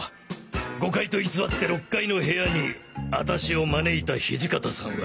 ５階と偽って６階の部屋に私を招いた土方さんは